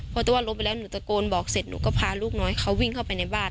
พอแต่ว่าล้มไปแล้วหนูตะโกนบอกเสร็จหนูก็พาลูกน้อยเขาวิ่งเข้าไปในบ้าน